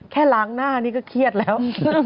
แค่ล้างหน้านี่ก็เครียดแล้ว